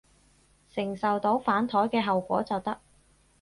承受到反枱嘅後果就得